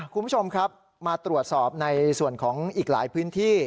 คุณผู้ชมครับมาตรวจสอบในส่วนของอีกหลายพื้นที่